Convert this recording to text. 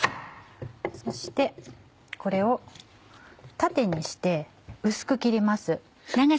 そしてこれを縦にして薄く切ります。